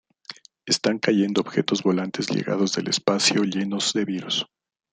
Están cayendo objetos volantes llegados del espacio llenos de virus.